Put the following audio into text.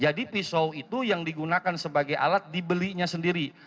jadi pisau itu yang digunakan sebagai alat dibelinya sendiri